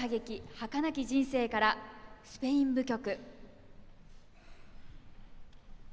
「はかなき人生」から「スペイン舞曲」。